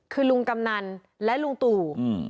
คือลุงกำนันและลุงตู่